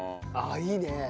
ああいいね。